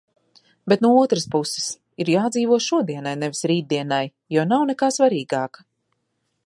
Bet no otras puses - ir jādzīvo šodienai nevis rītdienai, jo nav nekā svarīgāka.